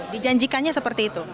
dijanjikannya seperti itu